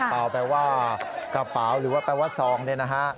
เปล่าแปลว่ากระเป๋าหรือแปลว่าซองด้วยนะฮะ